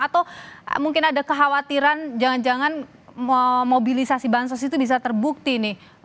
atau mungkin ada kekhawatiran jangan jangan mobilisasi bansos itu bisa terbukti nih